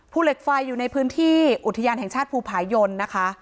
เหล็กไฟอยู่ในพื้นที่อุทยานแห่งชาติภูผายนนะคะ